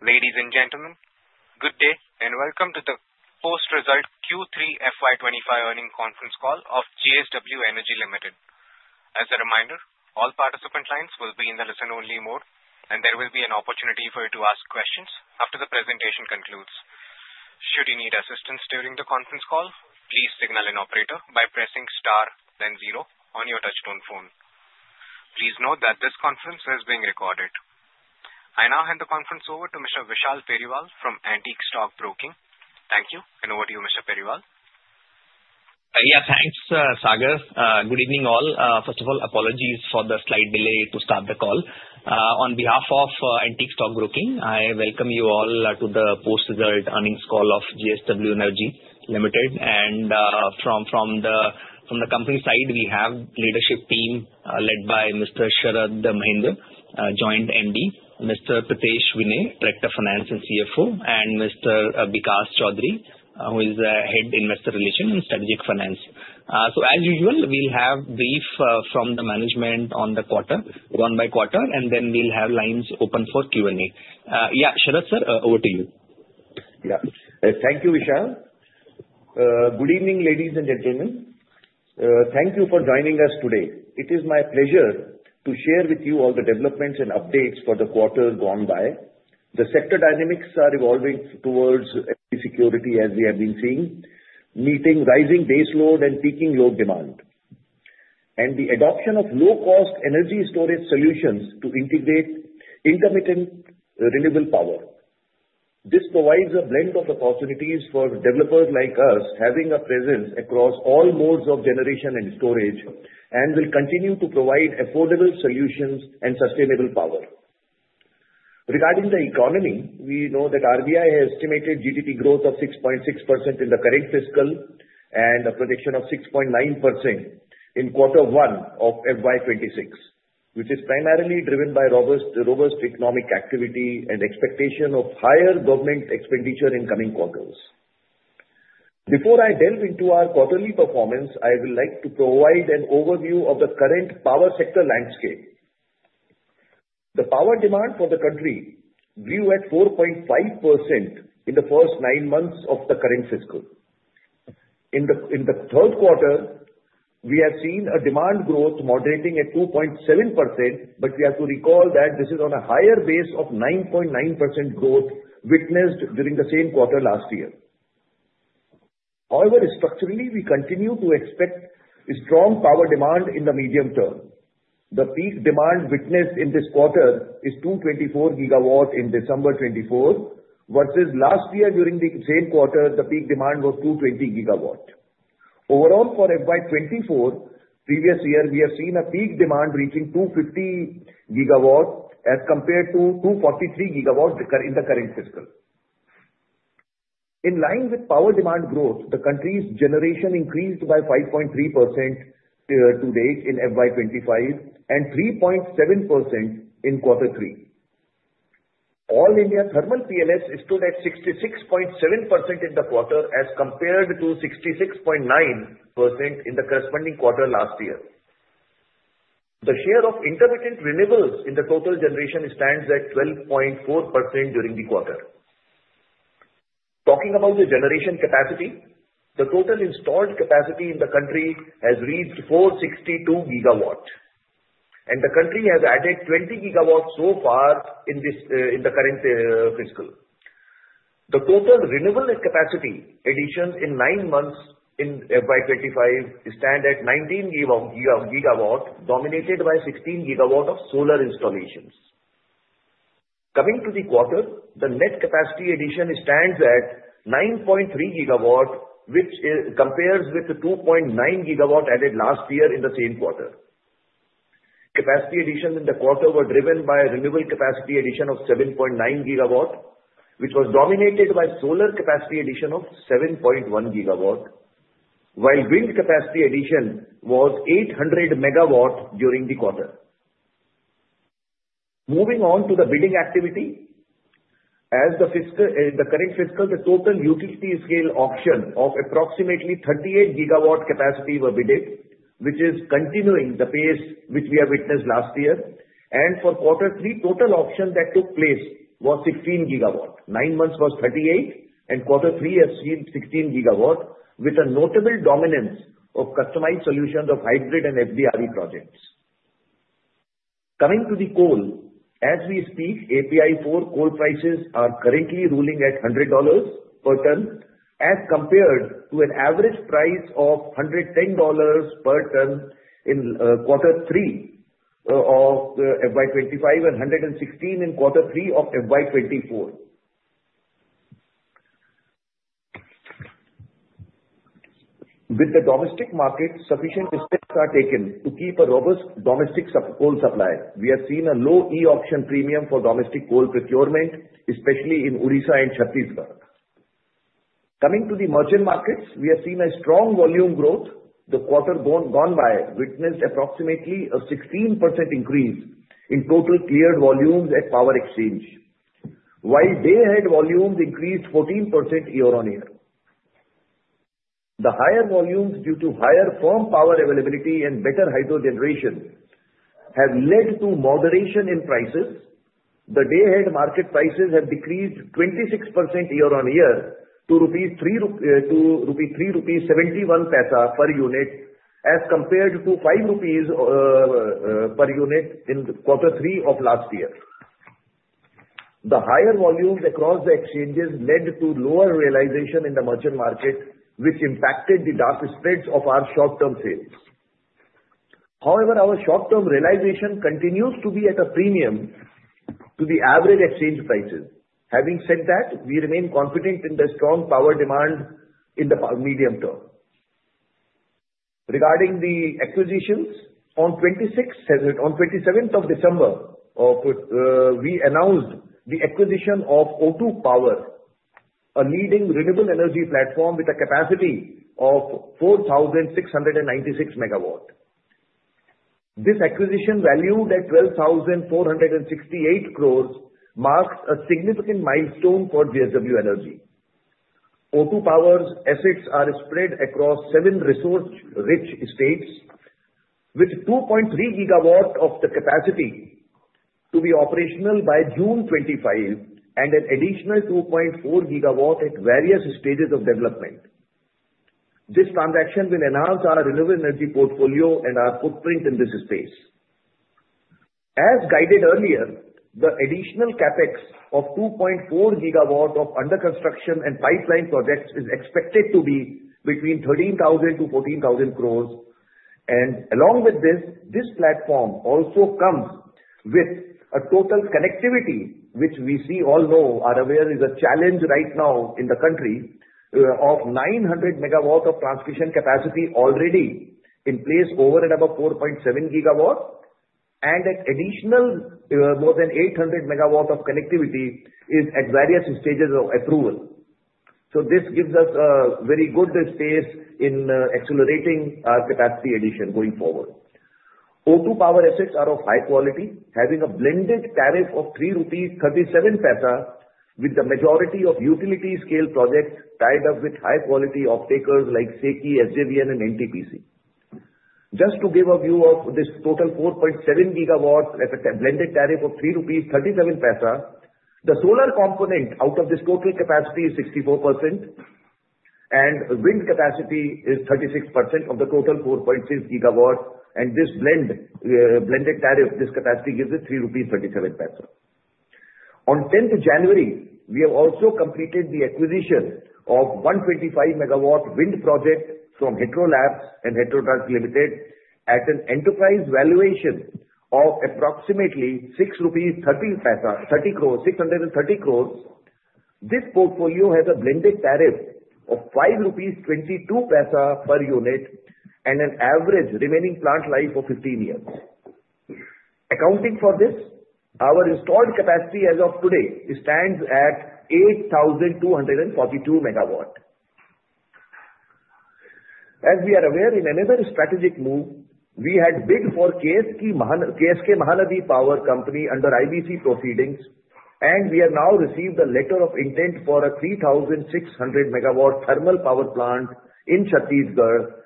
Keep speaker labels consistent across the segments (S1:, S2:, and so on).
S1: Ladies and gentlemen, good day and welcome to the post-result Q3 FY25 earning conference call of JSW Energy Limited. As a reminder, all participant lines will be in the listen-only mode, and there will be an opportunity for you to ask questions after the presentation concludes. Should you need assistance during the conference call, please signal an operator by pressing star, then zero on your touch-tone phone. Please note that this conference is being recorded. I now hand the conference over to Mr. Vishal Periwal from Antique Stock Broking. Thank you, and over to you, Mr. Periwal.
S2: Yeah, thanks, Sagar. Good evening, all. First of all, apologies for the slight delay to start the call. On behalf of Antique Stock Broking, I welcome you all to the post-result earnings call of JSW Energy Limited. And from the company side, we have a leadership team led by Mr. Sharad Mahendra, Joint MD, Mr. Pritesh Vinay, Director of Finance and CFO, and Mr. Vikas Choudhury, who is the Head of Investor Relations and Strategic Finance. So, as usual, we'll have a brief from the management on the quarter, one by quarter, and then we'll have lines open for Q&A. Yeah, Sharad sir, over to you.
S3: Yeah, thank you, Vishal. Good evening, ladies and gentlemen. Thank you for joining us today. It is my pleasure to share with you all the developments and updates for the quarter gone by. The sector dynamics are evolving towards sustainability, as we have been seeing, meeting rising base load and peaking load demand, and the adoption of low-cost energy storage solutions to integrate intermittent renewable power. This provides a blend of opportunities for developers like us, having a presence across all modes of generation and storage, and will continue to provide affordable solutions and sustainable power. Regarding the economy, we know that RBI has estimated GDP growth of 6.6% in the current fiscal and a projection of 6.9% in quarter one of FY26, which is primarily driven by robust economic activity and expectation of higher government expenditure in coming quarters. Before I delve into our quarterly performance, I would like to provide an overview of the current power sector landscape. The power demand for the country grew at 4.5% in the first nine months of the current fiscal. In the third quarter, we have seen a demand growth moderating at 2.7%, but we have to recall that this is on a higher base of 9.9% growth witnessed during the same quarter last year. However, structurally, we continue to expect strong power demand in the medium term. The peak demand witnessed in this quarter is 224 gigawatts in December 2024, versus last year during the same quarter, the peak demand was 220 gigawatts. Overall, for FY24, previous year, we have seen a peak demand reaching 250 gigawatts as compared to 243 gigawatts in the current fiscal. In line with power demand growth, the country's generation increased by 5.3% to date in FY25 and 3.7% in quarter three. All India thermal PLFs stood at 66.7% in the quarter as compared to 66.9% in the corresponding quarter last year. The share of intermittent renewables in the total generation stands at 12.4% during the quarter. Talking about the generation capacity, the total installed capacity in the country has reached 462 gigawatts, and the country has added 20 gigawatts so far in the current fiscal. The total renewable capacity addition in nine months in FY25 stands at 19 gigawatts, dominated by 16 gigawatts of solar installations. Coming to the quarter, the net capacity addition stands at 9.3 gigawatts, which compares with the 2.9 gigawatts added last year in the same quarter. Capacity addition in the quarter was driven by renewable capacity addition of 7.9 gigawatts, which was dominated by solar capacity addition of 7.1 gigawatts, while wind capacity addition was 800 megawatts during the quarter. Moving on to the bidding activity, in the current fiscal, the total utility-scale auction of approximately 38 gigawatts capacity was bid, which is continuing the pace which we have witnessed last year. For quarter three, total auction that took place was 16 gigawatts. Nine months was 38, and quarter three has seen 16 gigawatts, with a notable dominance of customized solutions of hybrid and FDRE projects. Coming to the coal, as we speak, API4 coal prices are currently ruling at $100 per ton, as compared to an average price of $110 per ton in quarter three of FY25 and $116 in quarter three of FY24. With the domestic market, sufficient steps are taken to keep a robust domestic coal supply. We have seen a low e-auction premium for domestic coal procurement, especially in Odisha and Chhattisgarh. Coming to the merchant markets, we have seen a strong volume growth. The quarter gone by witnessed approximately a 16% increase in total cleared volumes at power exchange, while day-ahead volumes increased 14% year-on-year. The higher volumes, due to higher firm power availability and better hydro generation, have led to moderation in prices. The day-ahead market prices have decreased 26% year-on-year to 3.71 rupees per unit, as compared to 5 rupees per unit in quarter three of last year. The higher volumes across the exchanges led to lower realization in the merchant market, which impacted the dark spreads of our short-term sales. However, our short-term realization continues to be at a premium to the average exchange prices. Having said that, we remain confident in the strong power demand in the medium term. Regarding the acquisitions, on 27th of December, we announced the acquisition of O2 Power, a leading renewable energy platform with a capacity of 4,696 megawatts. This acquisition valued at 12,468 crores marks a significant milestone for JSW Energy. O2 Power's assets are spread across seven resource-rich states, with 2.3 gigawatts of the capacity to be operational by June 2025 and an additional 2.4 gigawatts at various stages of development. This transaction will enhance our renewable energy portfolio and our footprint in this space. As guided earlier, the additional CapEx of 2.4 gigawatts of under-construction and pipeline projects is expected to be between 13,000 to 14,000 crores. Along with this, this platform also comes with a total connectivity, which we all know is a challenge right now in the country, of 900 megawatts of transmission capacity already in place over and above 4.7 gigawatts, and an additional more than 800 megawatts of connectivity is at various stages of approval. So this gives us a very good space in accelerating our capacity addition going forward. O2 Power assets are of high quality, having a blended tariff of 3.37 rupees, with the majority of utility-scale projects tied up with high-quality off-takers like SECI, SJVN, and NTPC. Just to give a view of this total 4.7 gigawatts at a blended tariff of 3.37 rupees, the solar component out of this total capacity is 64%, and wind capacity is 36% of the total 4.6 gigawatts. This blended tariff, this capacity gives it 3.37 rupees. On 10th of January, we have also completed the acquisition of 125 megawatt wind project from Hetero Labs and Hetero Trust Ltd at an enterprise valuation of approximately 6.30 crores rupees, 630 crores. This portfolio has a blended tariff of 5.22 rupees per unit and an average remaining plant life of 15 years. Accounting for this, our installed capacity as of today stands at 8,242 megawatts. As we are aware, in another strategic move, we had bid for KSK Mahanadi Power Company under IBC proceedings, and we have now received the letter of intent for a 3,600 megawatt thermal power plant in Chhattisgarh,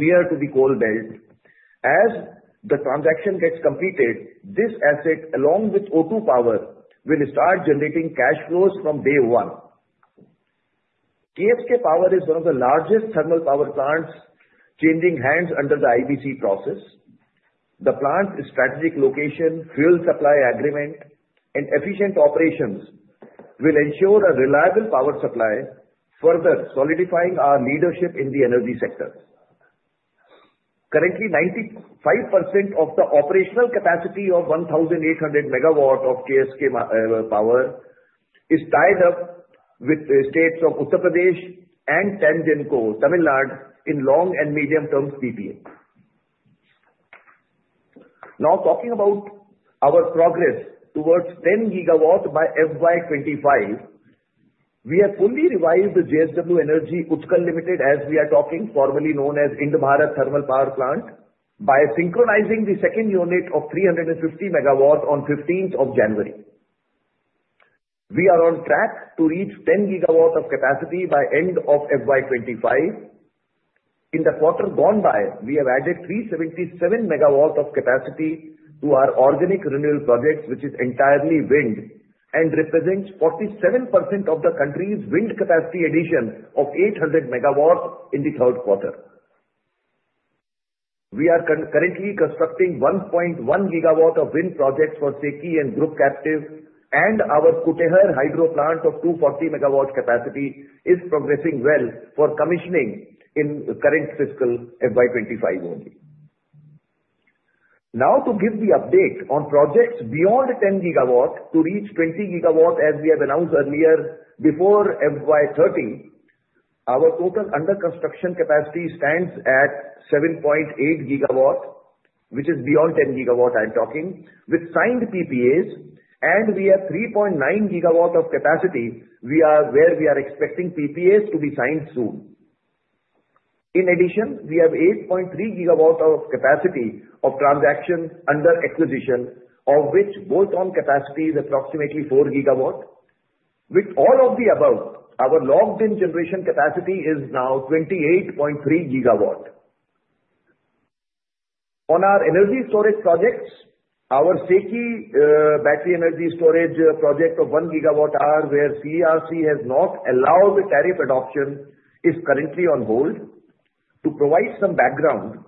S3: near to the coal belt. As the transaction gets completed, this asset, along with O2 Power, will start generating cash flows from day one. KSK Power is one of the largest thermal power plants changing hands under the IBC process. The plant's strategic location, fuel supply agreement, and efficient operations will ensure a reliable power supply, further solidifying our leadership in the energy sector. Currently, 95% of the operational capacity of 1,800 megawatts of KSK Power is tied up with states of Uttar Pradesh and Tamil Nadu in long and medium-term PPA. Now, talking about our progress towards 10 gigawatts by FY25, we have fully revived the JSW Energy Utkal Limited, as we are talking, formerly known as Ind-Barath Thermal Power Plant, by synchronizing the second unit of 350 megawatts on 15th of January. We are on track to reach 10 gigawatts of capacity by the end of FY25. In the quarter gone by, we have added 377 megawatts of capacity to our organic renewable projects, which is entirely wind and represents 47% of the country's wind capacity addition of 800 megawatts in the third quarter. We are currently constructing 1.1 gigawatts of wind projects for SECI and Group Captive, and our Kutehr Hydro Plant of 240 megawatts capacity is progressing well for commissioning in the current fiscal FY25 only. Now, to give the update on projects beyond 10 gigawatts to reach 20 gigawatts, as we have announced earlier before FY30, our total under-construction capacity stands at 7.8 gigawatts, which is beyond 10 gigawatts I'm talking, with signed PPAs, and we have 3.9 gigawatts of capacity where we are expecting PPAs to be signed soon. In addition, we have 8.3 gigawatts of capacity of transaction under acquisition, of which bolt-on capacity is approximately four gigawatts. With all of the above, our logged-in generation capacity is now 28.3 gigawatts. On our energy storage projects, our SECI battery energy storage project of one gigawatt hour, where CERC has not allowed the tariff adoption, is currently on hold. To provide some background,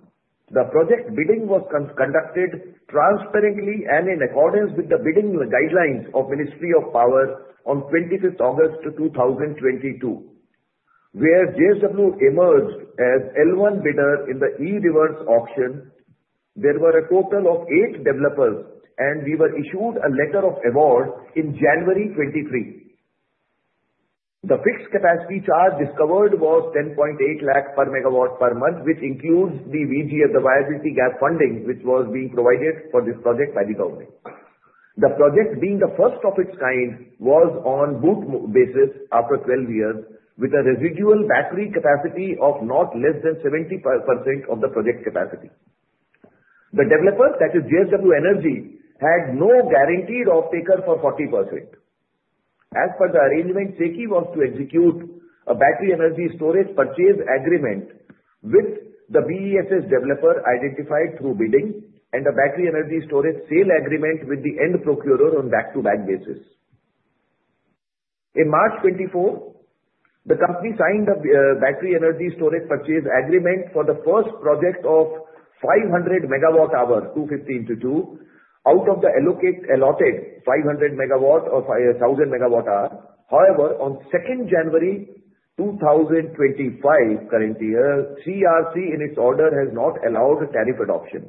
S3: the project bidding was conducted transparently and in accordance with the bidding guidelines of the Ministry of Power on 25th August 2022, where JSW emerged as L1 bidder in the E-Reverse Auction. There were a total of eight developers, and we were issued a letter of award in January 2023. The fixed capacity charge discovered was 10.8 lakh per megawatt per month, which includes the VGF, the Viability Gap Funding, which was being provided for this project by the government. The project, being the first of its kind, was on BOOT basis after 12 years, with a residual battery capacity of not less than 70% of the project capacity. The developer, that is JSW Energy, had no guaranteed off-taker for 40%. As per the arrangement, SECI was to execute a battery energy storage purchase agreement with the BESS developer identified through bidding and a battery energy storage sale agreement with the end procurer on back-to-back basis. In March 2024, the company signed a battery energy storage purchase agreement for the first project of 500 megawatt hours, 250 into 2, out of the allocated 500 megawatts or 1,000 megawatt hours. However, on 2nd January 2025, current year, CERC in its order has not allowed the tariff adoption.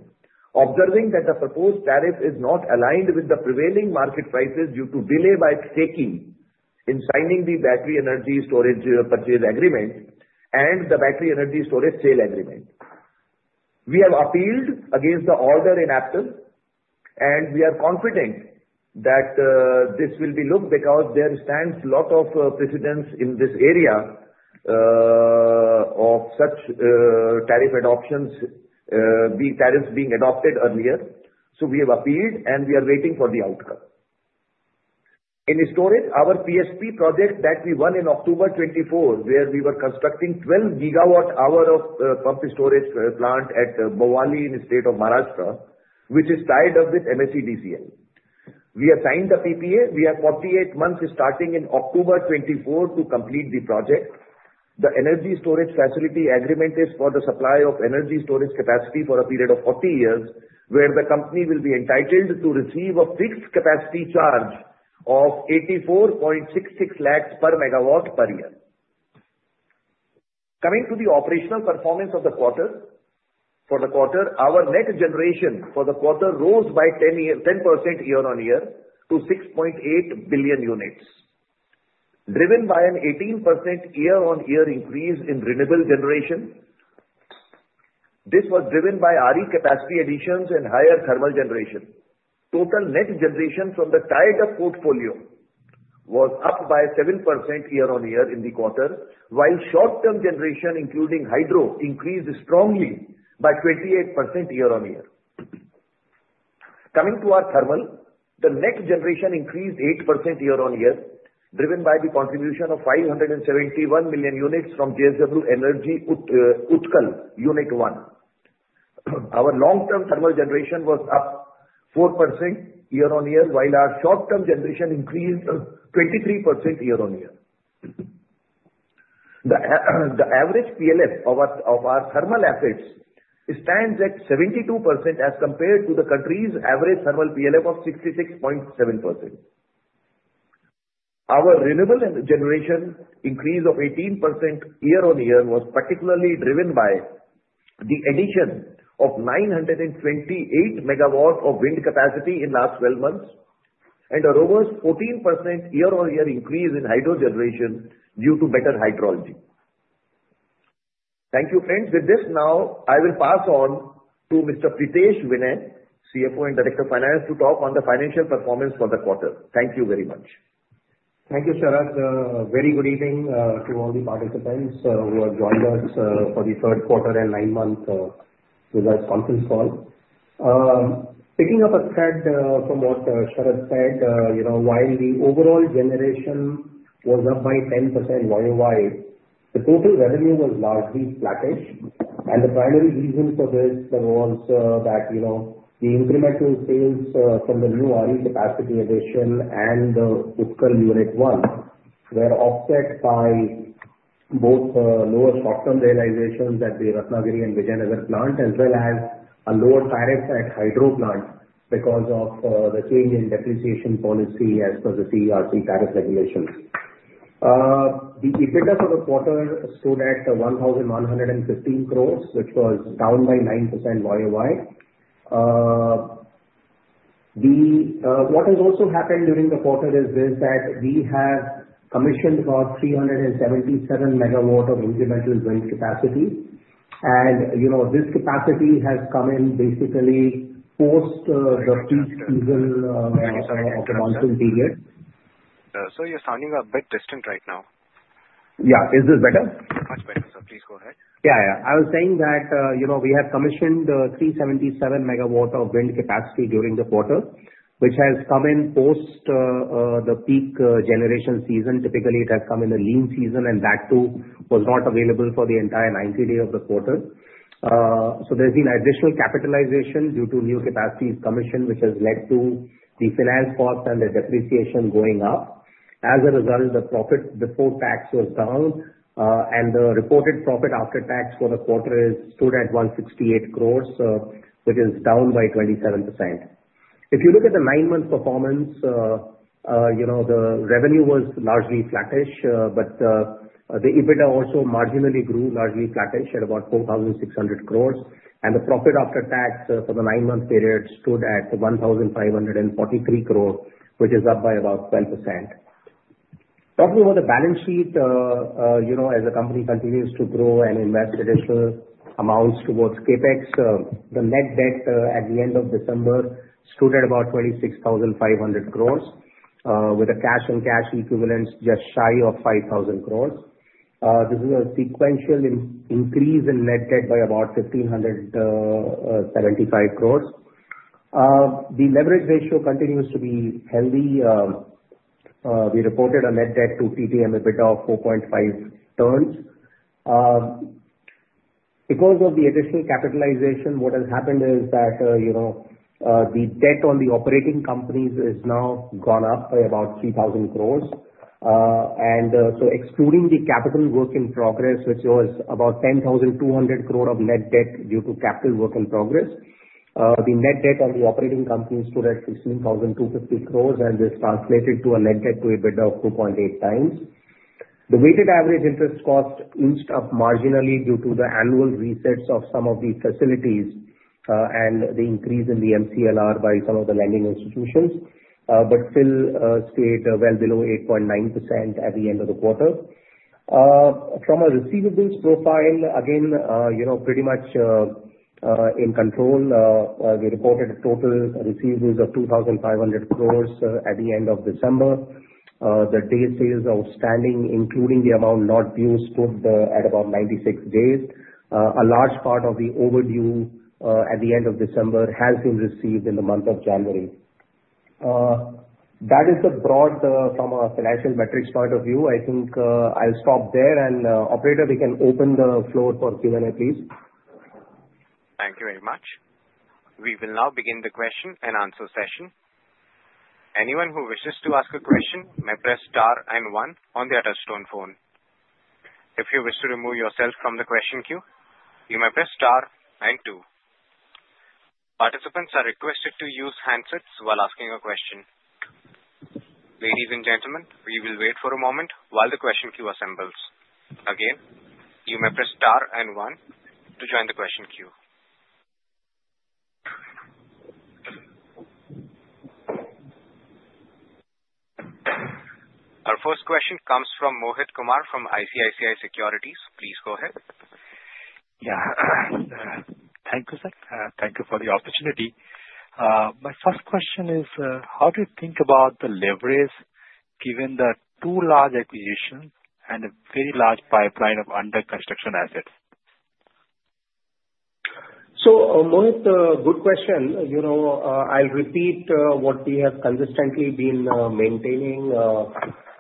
S3: Observing that the proposed tariff is not aligned with the prevailing market prices due to delay by SECI in signing the battery energy storage purchase agreement and the battery energy storage sale agreement, we have appealed against the order in APTEL, and we are confident that this will be looked at because there stands a lot of precedence in this area of such tariff adoptions, tariffs being adopted earlier. So we have appealed, and we are waiting for the outcome. In storage, our PSP project that we won in October 2024, where we are constructing 12 gigawatt-hour of pumped storage plant at Bhowali in the state of Maharashtra, which is tied up with MSEDCL. We have signed the PPA. We have 48 months starting in October 2024 to complete the project. The energy storage facility agreement is for the supply of energy storage capacity for a period of 40 years, where the company will be entitled to receive a fixed capacity charge of 84.66 lakhs per megawatt per year. Coming to the operational performance of the quarter, for the quarter, our net generation for the quarter rose by 10% year-on-year to 6.8 billion units, driven by an 18% year-on-year increase in renewable generation. This was driven by RE capacity additions and higher thermal generation. Total net generation from the tied-up portfolio was up by 7% year-on-year in the quarter, while short-term generation, including hydro, increased strongly by 28% year-on-year. Coming to our thermal, the net generation increased 8% year-on-year, driven by the contribution of 571 million units from JSW Energy Utkal, Unit 1. Our long-term thermal generation was up 4% year-on-year, while our short-term generation increased 23% year-on-year. The average PLF of our thermal assets stands at 72% as compared to the country's average thermal PLF of 66.7%. Our renewable generation increase of 18% year-on-year was particularly driven by the addition of 928 megawatts of wind capacity in the last 12 months and a robust 14% year-on-year increase in hydro generation due to better hydrology. Thank you, friends. With this now, I will pass on to Mr. Pritesh Vinay, CFO and Director of Finance, to talk on the financial performance for the quarter. Thank you very much.
S4: Thank you, Sharad. Very good evening to all the participants who have joined us for the third quarter and nine-month results conference call. Picking up a thread from what Sharad said, while the overall generation was up by 10% worldwide, the total revenue was largely flattish. The primary reason for this was that the incremental sales from the new RE capacity addition and Utkal Unit 1 were offset by both lower short-term realizations at the Ratnagiri and Vijayanagar plant, as well as a lower tariff at Hydro Plant because of the change in depreciation policy as per the CERC tariff regulations. The EBITDA for the quarter stood at 1,115 crores, which was down by 9% worldwide. What has also happened during the quarter is this: that we have commissioned about 377 megawatts of incremental wind capacity. And this capacity has come in basically post the peak season of the monsoon period.
S1: So you're sounding a bit distant right now.
S4: Yeah. Is this better?
S1: Much better. So please go ahead.
S4: Yeah, yeah. I was saying that we have commissioned 377 megawatts of wind capacity during the quarter, which has come in post the peak generation season. Typically, it has come in a lean season, and that too was not available for the entire 90-day of the quarter. So there's been additional capitalization due to new capacity commission, which has led to the finance cost and the depreciation going up. As a result, the profit before tax was down, and the reported profit after tax for the quarter stood at 168 crores, which is down by 27%. If you look at the nine-month performance, the revenue was largely flattish, but the EBITDA also marginally grew, largely flattish at about 4,600 crores. And the profit after tax for the nine-month period stood at 1,543 crores, which is up by about 12%. Talking about the balance sheet, as the company continues to grow and invest additional amounts towards CapEx, the net debt at the end of December stood at about 26,500 crores, with a cash and cash equivalents just shy of 5,000 crores. This is a sequential increase in net debt by about 1,575 crores. The leverage ratio continues to be healthy. We reported a net debt to TTM EBITDA of 4.5 turns. Because of the additional capitalization, what has happened is that the debt on the operating companies has now gone up by about 3,000 crores. And so excluding the capital work in progress, which was about 10,200 crores of net debt due to capital work in progress, the net debt on the operating companies stood at 16,250 crores, and this translated to a net debt to EBITDA of 2.8 times. The weighted average interest cost inched up marginally due to the annual resets of some of the facilities and the increase in the MCLR by some of the lending institutions, but still stayed well below 8.9% at the end of the quarter. From a receivables profile, again, pretty much in control, we reported a total receivables of 2,500 crores at the end of December. The day sales outstanding, including the amount not due, stood at about 96 days. A large part of the overdue at the end of December has been received in the month of January. That is the broad from a financial metrics point of view. I think I'll stop there. And operator, we can open the floor for Q&A, please.
S1: Thank you very much. We will now begin the question and answer session. Anyone who wishes to ask a question may press star and one on the touch-tone phone. If you wish to remove yourself from the question queue, you may press star and two. Participants are requested to use handsets while asking a question. Ladies and gentlemen, we will wait for a moment while the question queue assembles. Again, you may press star and one to join the question queue. Our first question comes from Mohit Kumar from ICICI Securities. Please go ahead.
S5: Yeah. Thank you, sir. Thank you for the opportunity. My first question is, how do you think about the leverage given the two large acquisitions and a very large pipeline of under-construction assets?
S4: So, Mohit, good question. I'll repeat what we have consistently been maintaining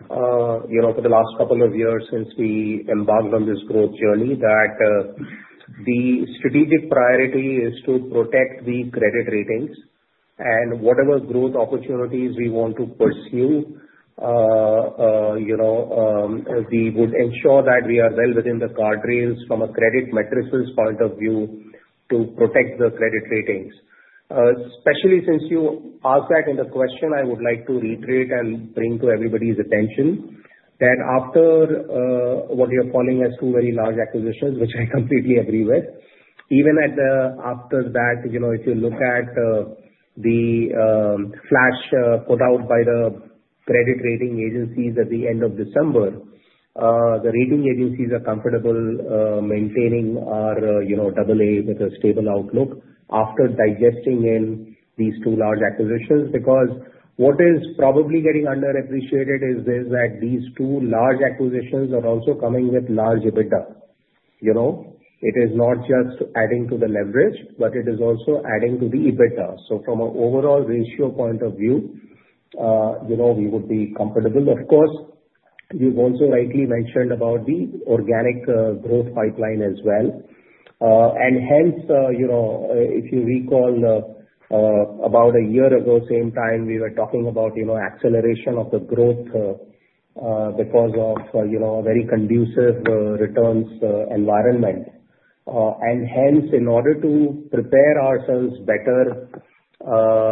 S4: for the last couple of years since we embarked on this growth journey, that the strategic priority is to protect the credit ratings. Whatever growth opportunities we want to pursue, we would ensure that we are well within the guardrails from a credit metrics point of view to protect the credit ratings. Especially since you asked that in the question, I would like to reiterate and bring to everybody's attention that after what you're calling as two very large acquisitions, which I completely agree with, even after that, if you look at the flash put out by the credit rating agencies at the end of December, the rating agencies are comfortable maintaining our AA with a stable outlook after digesting in these two large acquisitions. Because what is probably getting underappreciated is this: that these two large acquisitions are also coming with large EBITDA. It is not just adding to the leverage, but it is also adding to the EBITDA. So from an overall ratio point of view, we would be comfortable. Of course, you've also rightly mentioned about the organic growth pipeline as well. And hence, if you recall, about a year ago, same time, we were talking about acceleration of the growth because of a very conducive returns environment. And hence, in order to prepare ourselves better,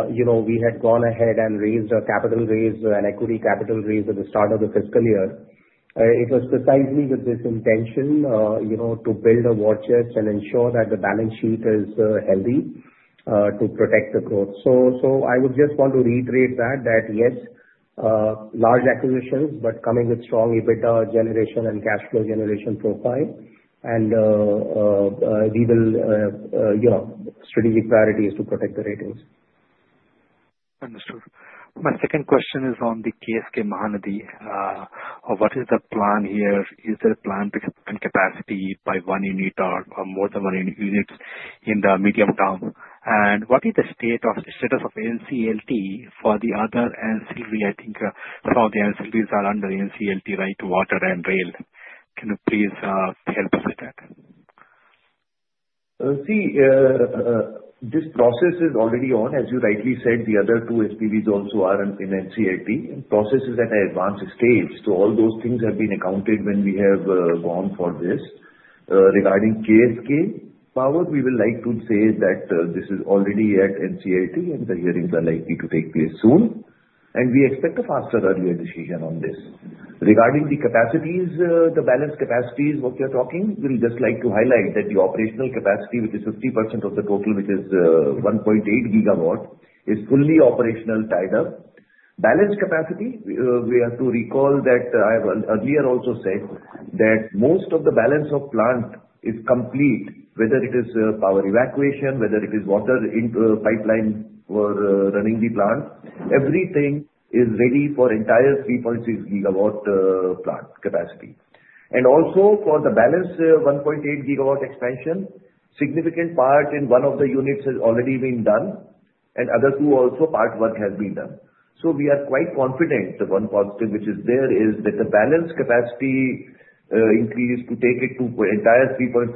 S4: we had gone ahead and raised a capital raise and equity capital raise at the start of the fiscal year. It was precisely with this intention to build a war chest and ensure that the balance sheet is healthy to protect the growth. So I would just want to reiterate that, yes, large acquisitions, but coming with strong EBITDA generation and cash flow generation profile. And we will strategic priorities to protect the ratings.
S5: Understood. My second question is on the KSK Mahanadi. What is the plan here? Is there a plan to expand capacity by one unit or more than one unit in the medium term? And what is the status of NCLT for the other ancillary? I think some of the ancillaries are under NCLT, right? Water and rail. Can you please help us with that?
S4: See, this process is already on. As you rightly said, the other two SPVs also are in NCLT. The process is at an advanced stage. So all those things have been accounted when we have gone for this. Regarding KSK Power, we would like to say that this is already at NCLT, and the hearings are likely to take place soon. And we expect a faster, earlier decision on this. Regarding the capacities, the balanced capacities, what you're talking, we would just like to highlight that the operational capacity, which is 50% of the total, which is 1.8 gigawatts, is fully operational tied up. Balanced capacity, we have to recall that I have earlier also said that most of the balance of plant is complete, whether it is power evacuation, whether it is water pipeline for running the plant, everything is ready for entire 3.6 gigawatt plant capacity. And also for the balanced 1.8 gigawatt expansion, a significant part in one of the units has already been done, and other two also part work has been done. So we are quite confident the one positive which is there is that the balanced capacity increase to take it to entire 3.6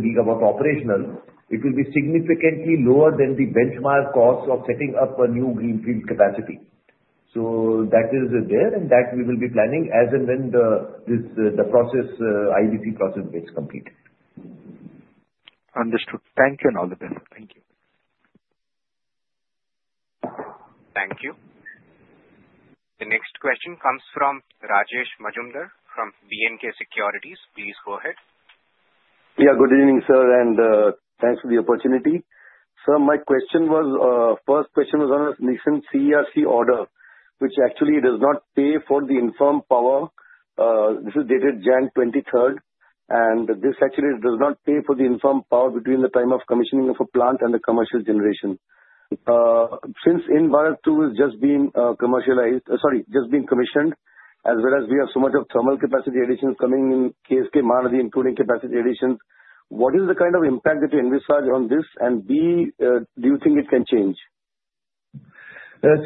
S4: gigawatt operational, it will be significantly lower than the benchmark cost of setting up a new greenfield capacity. So that is there, and that we will be planning as and when the IBC process gets completed.
S5: Understood. Thank you, Mr. Vinay. Thank you.
S1: Thank you. The next question comes from Rajesh Majumdar from BNK Securities. Please go ahead.
S6: Yeah, good evening, sir, and thanks for the opportunity. Sir, my question was, first question was on a recent CERC order, which actually does not pay for the deemed power. This is dated January 23rd, and this actually does not pay for the deemed power between the time of commissioning of a plant and the commercial generation. Since Envara 2 has just been commercialized, sorry, just been commissioned, as well as we have so much of thermal capacity additions coming in KSK Mahanadi, including capacity additions, what is the kind of impact that you envisage on this, and do you think it can change?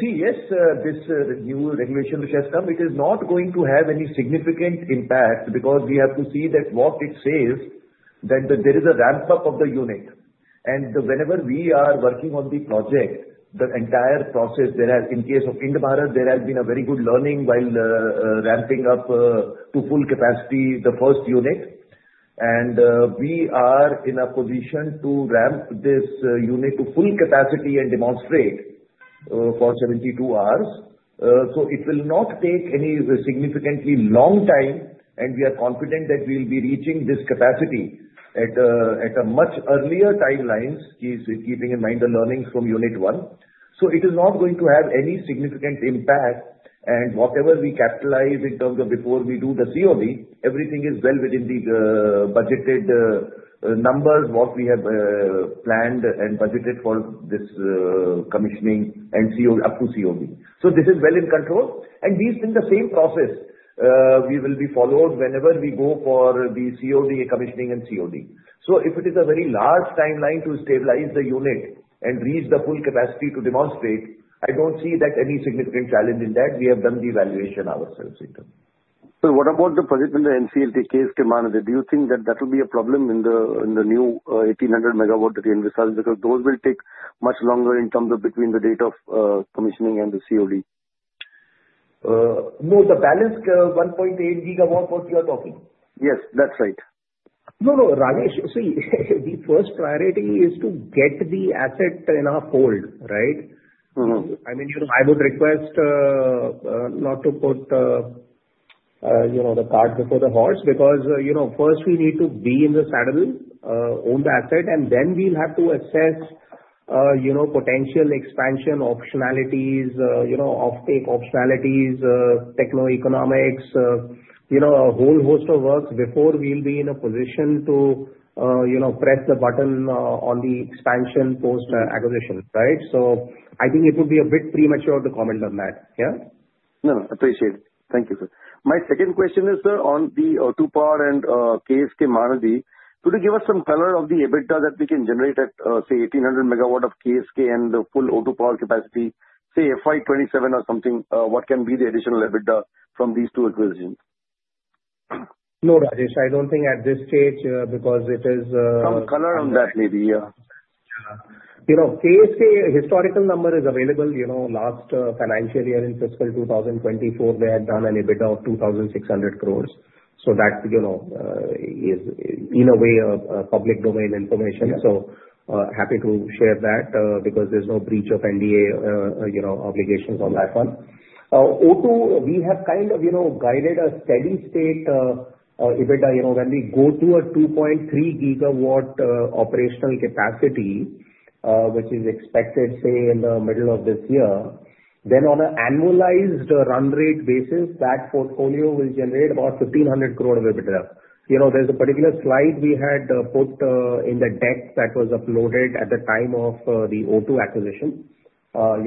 S3: See, yes, this new regulation which has come, it is not going to have any significant impact because we have to see that what it says that there is a ramp-up of the unit. And whenever we are working on the project, the entire process, in case of Envara, there has been a very good learning while ramping up to full capacity the first unit. And we are in a position to ramp this unit to full capacity and demonstrate for 72 hours. So it will not take any significantly long time, and we are confident that we will be reaching this capacity at a much earlier timelines, keeping in mind the learnings from unit one. So it is not going to have any significant impact. And whatever we capitalize in terms of before we do the COV, everything is well within the budgeted numbers, what we have planned and budgeted for this commissioning and up to COV. So this is well in control. And these are the same process we will be followed whenever we go for the COV commissioning and COD. So if it is a very large timeline to stabilize the unit and reach the full capacity to demonstrate, I don't see that any significant challenge in that. We have done the evaluation ourselves in terms.
S6: So what about the project in the NCLT, KSK Mahanadi? Do you think that that will be a problem in the new 1,800 megawatts that you envisage? Because those will take much longer in terms of between the date of commissioning and the COD.
S3: No, the balanced 1.8 gigawatts, what you are talking?
S6: Yes, that's right.
S3: No, no, Rajesh, see, the first priority is to get the asset in our fold, right? I mean, I would request not to put the cart before the horse because first we need to be in the saddle, own the asset, and then we'll have to assess potential expansion optionalities, off-take optionalities, techno-economics, a whole host of works before we'll be in a position to press the button on the expansion post-acquisition, right? So I think it would be a bit premature to comment on that, yeah?
S6: No, appreciate it. Thank you, sir. My second question is, sir, on the O2Power and KSK Mahanadi, could you give us some color of the EBITDA that we can generate at, say, 1,800 megawatt of KSK and the full O2Power capacity, say, FY27 or something? What can be the additional EBITDA from these two acquisitions?
S3: No, Rajesh, I don't think at this stage because it is. Some color on that maybe, yeah. KSK historical number is available. Last financial year in fiscal 2024, they had done an EBITDA of 2,600 crores. So that is, in a way, a public domain information. So happy to share that because there's no breach of NDA obligations on that one. O2, we have kind of guided a steady-state EBITDA. When we go to a 2.3 gigawatt operational capacity, which is expected, say, in the middle of this year, then on an annualized run rate basis, that portfolio will generate about 1,500 crore of EBITDA. There's a particular slide we had put in the deck that was uploaded at the time of the O2 acquisition. So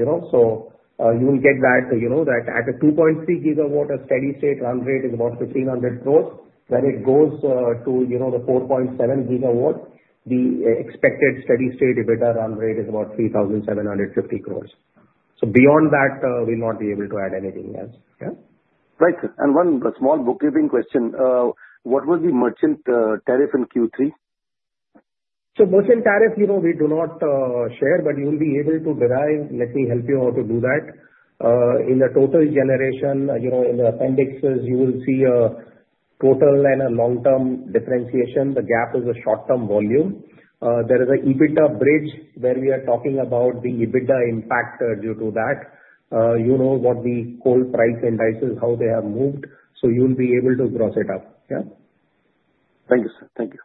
S3: you will get that at a 2.3 gigawatt, a steady-state run rate is about 1,500 crores. When it goes to the 4.7 gigawatt, the expected steady-state EBITDA run rate is about 3,750 crores. So beyond that, we'll not be able to add anything else, yeah? Right, and one small bookkeeping question. What was the merchant tariff in Q3?
S4: So merchant tariff, we do not share, but you'll be able to derive, let me help you out to do that. In the total generation, in the appendixes, you will see a total and a long-term differentiation. The gap is a short-term volume. There is an EBITDA bridge where we are talking about the EBITDA impact due to that, what the coal price indices, how they have moved. So you'll be able to cross it out, yeah?
S6: Thank you, sir.
S4: Thank you.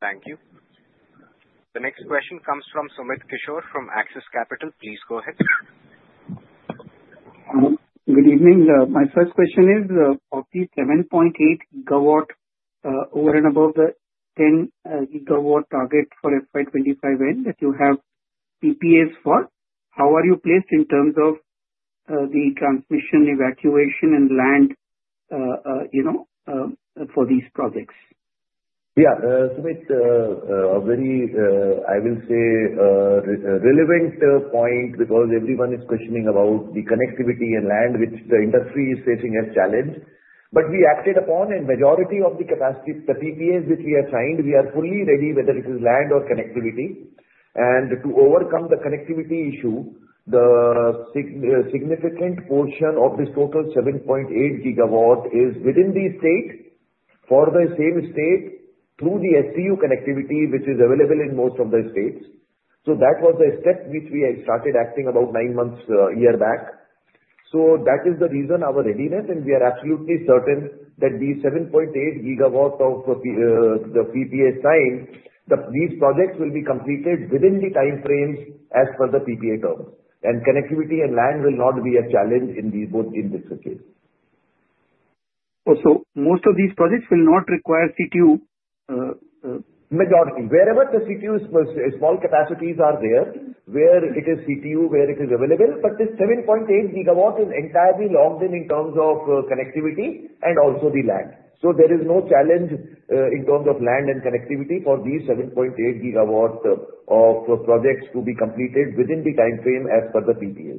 S1: Thank you. The next question comes from Sumit Kishore from Axis Capital. Please go ahead. Good evening.
S7: My first question is, of the 7.8 gigawatt over and above the 10 gigawatt target for FY25N that you have PPAs for, how are you placed in terms of the transmission, evacuation, and land for these projects?
S4: Yeah. Sumit, a very, I will say, relevant point because everyone is questioning about the connectivity and land, which the industry is facing as challenge. But we acted upon a majority of the capacity, the PPAs which we assigned, we are fully ready, whether it is land or connectivity. And to overcome the connectivity issue, the significant portion of this total 7.8 gigawatt is within the state for the same state through the STU connectivity, which is available in most of the states. So that was the step which we had started acting about nine months a year back. So that is the reason, our readiness, and we are absolutely certain that these 7.8 gigawatt of the PPA signed, these projects will be completed within the time frames as per the PPA terms, and connectivity and land will not be a challenge in both cases, so most of these projects will not require CTU. Majority. Wherever the CTUs, small capacities are there, where it is CTU, where it is available, but this 7.8 gigawatt is entirely locked in in terms of connectivity and also the land, so there is no challenge in terms of land and connectivity for these 7.8 gigawatt of projects to be completed within the time frame as per the PPAs.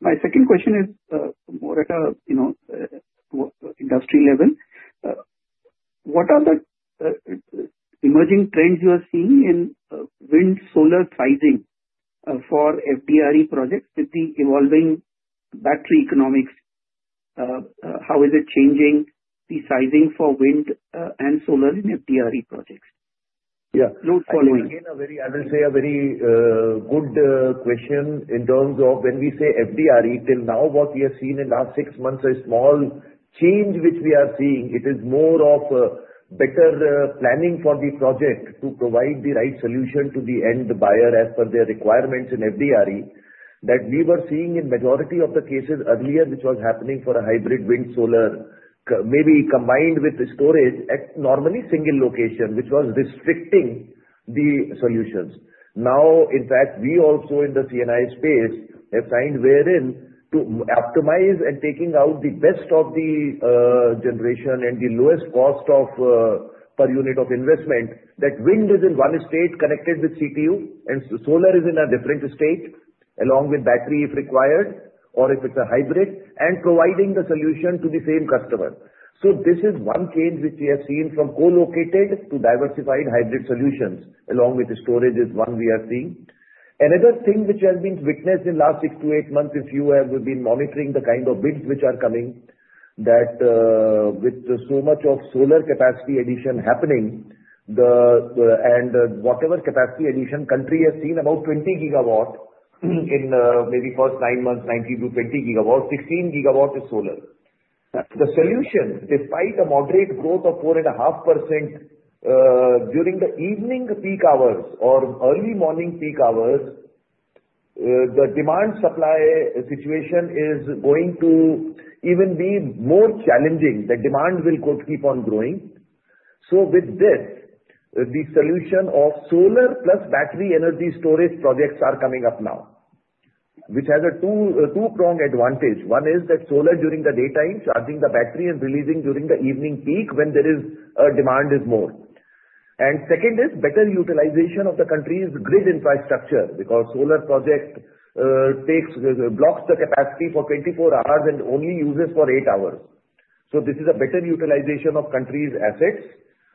S7: My second question is more at an industry level. What are the emerging trends you are seeing in wind solar pricing for FDRE projects with the evolving battery economics? How is it changing the sizing for wind and solar in FDRE projects?
S4: Yeah. So again, I will say a very good question in terms of when we say FDRE. Till now, what we have seen in the last six months is a small change which we are seeing. It is more of better planning for the project to provide the right solution to the end buyer as per their requirements in FDRE that we were seeing in majority of the cases earlier, which was happening for a hybrid wind solar, maybe combined with storage at normally single location, which was restricting the solutions. Now, in fact, we also in the CNI space have signed wherein to optimize and taking out the best of the generation and the lowest cost per unit of investment that wind is in one state connected with CTU and solar is in a different state along with battery if required or if it's a hybrid and providing the solution to the same customer. So this is one change which we have seen from co-located to diversified hybrid solutions along with the storage is one we are seeing. Another thing which has been witnessed in the last six to eight months, if you have been monitoring the kind of bids which are coming, that with so much of solar capacity addition happening and whatever capacity addition, country has seen about 20 gigawatts in maybe first nine months, 19 to 20 gigawatts, 16 gigawatts is solar. The solution, despite a moderate growth of 4.5% during the evening peak hours or early morning peak hours, the demand-supply situation is going to be even more challenging. The demand will keep on growing. With this, the solution of solar plus battery energy storage projects are coming up now, which has a two-pronged advantage. One is that solar during the daytime charging the battery and releasing during the evening peak when there is a demand is more. Second is better utilization of the country's grid infrastructure because solar project blocks the capacity for 24 hours and only uses for 8 hours. This is a better utilization of country's assets,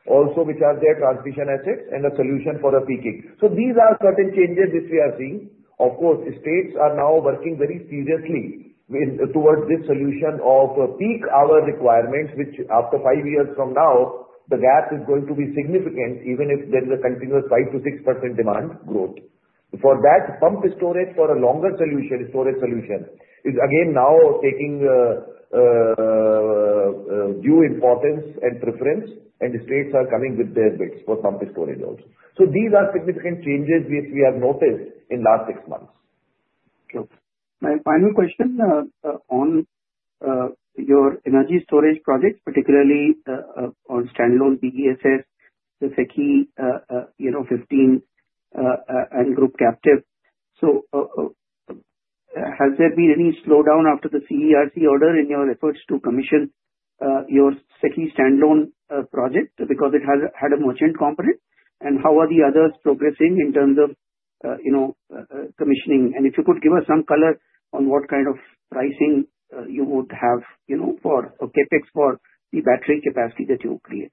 S4: also which are their transmission assets and a solution for a peaking. These are certain changes which we are seeing. Of course, states are now working very seriously towards this solution of peak hour requirements, which after five years from now, the gap is going to be significant even if there is a continuous 5%-6% demand growth. For that, pumped storage for a longer solution, storage solution, is again now taking due importance and preference, and states are coming with their bids for pumped storage also. So these are significant changes which we have noticed in the last six months.
S7: My final question on your energy storage projects, particularly on standalone BESS, the SECI 15 and group captive. So has there been any slowdown after the CERC order in your efforts to commission your SECI standalone project because it had a merchant component? And how are the others progressing in terms of commissioning? And if you could give us some color on what kind of pricing you would have for CapEx for the battery capacity that you create?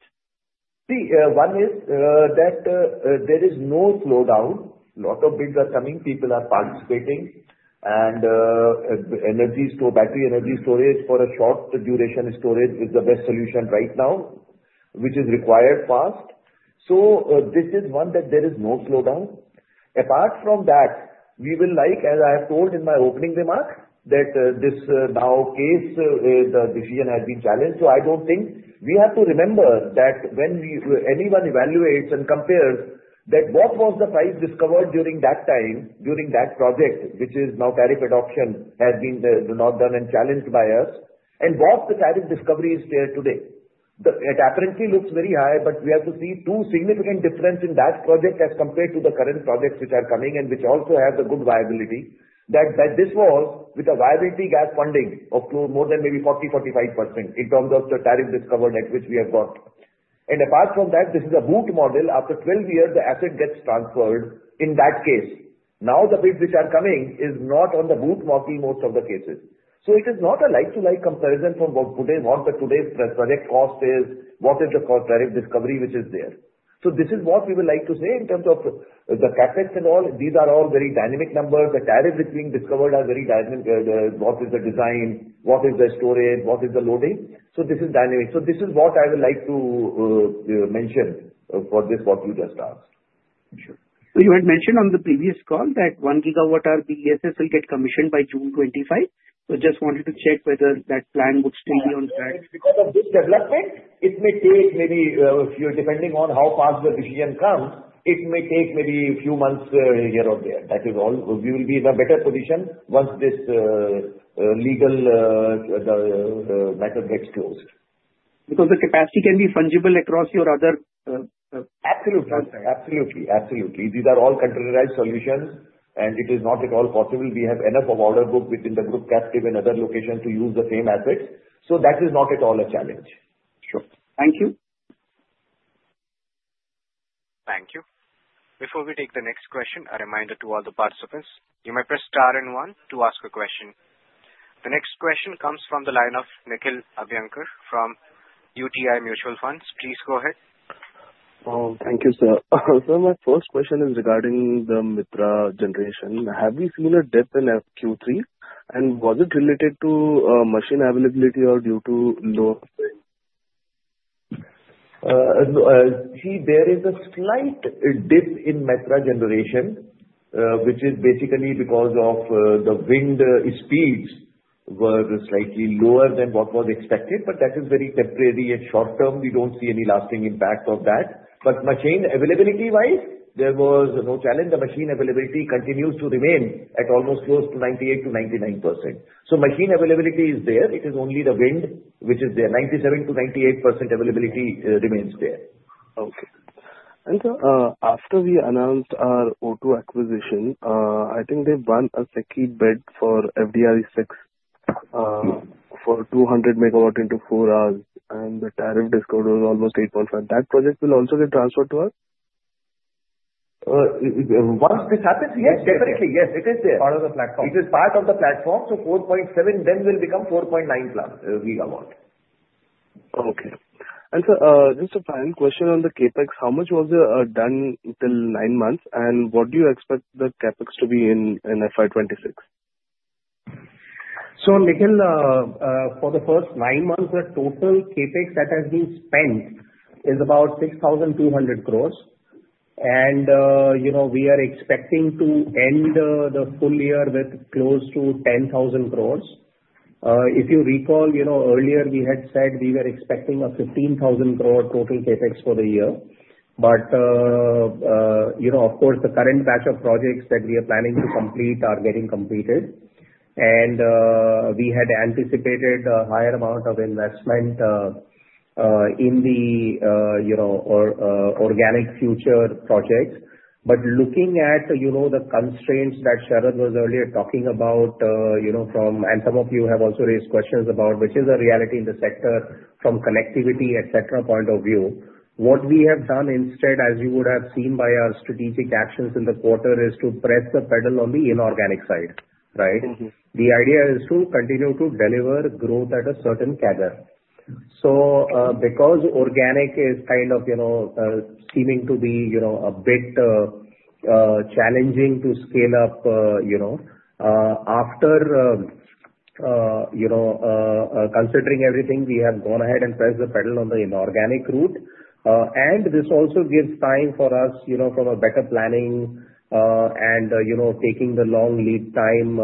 S4: See, one is that there is no slowdown. A lot of bids are coming. People are participating. And battery energy storage for a short duration storage is the best solution right now, which is required fast. So this is one that there is no slowdown. Apart from that, we will like, as I have told in my opening remark, that this now case decision has been challenged. So I don't think we have to remember that when anyone evaluates and compares that what was the price discovered during that time, during that project, which is now tariff adoption, has been not done and challenged by us, and what the tariff discovery is there today. It apparently looks very high, but we have to see two significant differences in that project as compared to the current projects which are coming and which also have the good viability, that this was with a viability gap funding of more than maybe 40%-45% in terms of the tariff discovered at which we have got. And apart from that, this is a BOOT model. After 12 years, the asset gets transferred in that case. Now the bids which are coming is not on the BOOT model in most of the cases. So it is not a like-to-like comparison from what today's project cost is, what is the tariff discovery which is there. So this is what we would like to say in terms of the CapEx and all. These are all very dynamic numbers. The tariff is being discovered as very dynamic. What is the design? What is the storage? What is the loading? So this is dynamic. So this is what I would like to mention for this, what you just asked. Sure. So you had mentioned on the previous call that one gigawatt hour BESS will get commissioned by June 25. So just wanted to check whether that plan would still be on track. Because of this development, it may take maybe a few, depending on how fast the decision comes, it may take maybe a few months here or there. That is all. We will be in a better position once this legal matter gets closed.
S7: Because the capacity can be fungible across your other.
S4: Absolutely. Absolutely. Absolutely. These are all containerized solutions, and it is not at all possible. We have enough of order book within the group captive and other locations to use the same assets.
S7: That is not at all a challenge.
S4: Sure. Thank you.
S1: Thank you. Before we take the next question, a reminder to all the participants. You may press star and one to ask a question. The next question comes from the line of Nikhil Abhyankar from UTI Mutual Fund. Please go ahead.
S8: Thank you, sir. My first question is regarding the thermal generation. Have we seen a dip in Q3, and was it related to machine availability or due to low?
S4: There is a slight dip in thermal generation, which is basically because of the wind speeds were slightly lower than what was expected, but that is very temporary and short-term. We don't see any lasting impact of that. Machine availability-wise, there was no challenge. The machine availability continues to remain at almost close to 98%-99%. Machine availability is there. It is only the wind which is there. 97%-98% availability remains there. Okay. And after we announced our O2 acquisition, I think they've won a SECI bid for FDRE for 200 megawatt into 4 hours, and the tariff discovered was almost 8.5.
S8: That project will also get transferred to us?
S4: Once this happens, yes, definitely. Yes, it is there. It is part of the platform. It is part of the platform. So 4.7 then will become 4.9 gigawatt.
S8: Okay. And sir, just a final question on the CapEx. How much was done till nine months, and what do you expect the CapEx to be in FY26?
S4: So Nikhil, for the first nine months, the total CapEx that has been spent is about 6,200 crores, and we are expecting to end the full year with close to 10,000 crores. If you recall, earlier we had said we were expecting 15,000 crore total CapEx for the year. But of course, the current batch of projects that we are planning to complete are getting completed, and we had anticipated a higher amount of investment in the organic future projects. But looking at the constraints that Sharad was earlier talking about, and some of you have also raised questions about, which is a reality in the sector from connectivity, etc., point of view, what we have done instead, as you would have seen by our strategic actions in the quarter, is to press the pedal on the inorganic side, right? The idea is to continue to deliver growth at a certain cadence. So, because organic is kind of seeming to be a bit challenging to scale up, after considering everything, we have gone ahead and pressed the pedal on the inorganic route. And this also gives time for us from a better planning and taking the long lead time